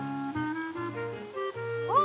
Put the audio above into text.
おっ！